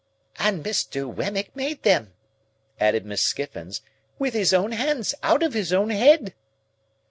"And Mr. Wemmick made them," added Miss Skiffins, "with his own hands out of his own head."